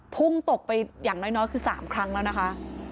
พุ่งตกไปอย่างน้อยคือ๓ครั้งแล้วนะคะ